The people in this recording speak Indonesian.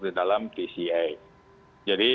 di dalam tca jadi